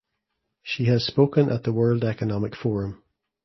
She has spoken at the World Economic Forum.